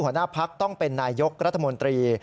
หัวหน้าพักต้องเป็นนายยกรัฐมนตรี